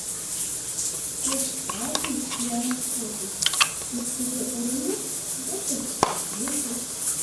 Кок стражник тӱан кодыч: иктыже — уремеш, весыже — кудывечеш.